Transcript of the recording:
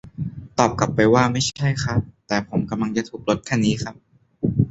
ตอบกลับไปว่า ไม่ใช่ครับ แต่ผมกำลังจะทุบรถคันนี้ครับ